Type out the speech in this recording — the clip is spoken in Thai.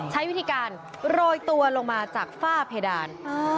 ใช้วิธีการโรยตัวลงมาจากฝ้าเพดาน